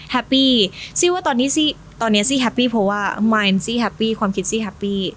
แฮปปี้ซี่ว่าตอนนี้ซี่ตอนเนี้ยซี่แฮปปี้เพราะว่าความคิดซี่แฮปปี้